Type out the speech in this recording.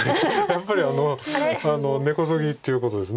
やっぱり根こそぎっていうことです。